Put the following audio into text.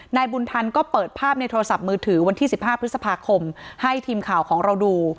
นายบุญธรรมก็เปิดภาพในโทรศัพท์มือถือวันที่๑๕พฤษภาคมให้ทีมข่าวของเราดู